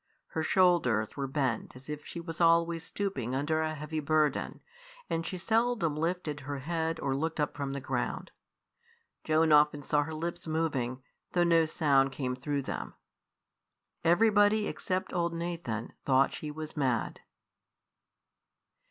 Her shoulders were bent as if she was always stooping under a heavy burden, and she seldom lifted her head or looked up from the ground. Joan often saw her lips moving, though no sound came through them. Everybody except old Nathan thought she was mad.